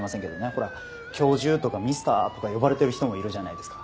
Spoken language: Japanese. ほら教授とかミスターとか呼ばれてる人もいるじゃないですか。